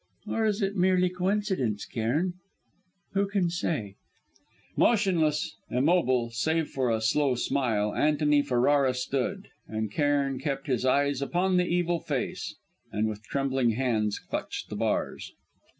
Or is it merely coincidence, Cairn? Who can say?" Motionless, immobile, save for a slow smile, Antony Ferrara stood, and Cairn kept his eyes upon the evil face, and with trembling hands clutched the bars.